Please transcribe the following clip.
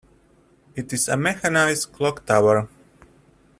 It is a mechanized clock tower.